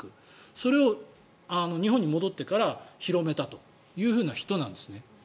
それを日本に戻ってから広めたという人なんです。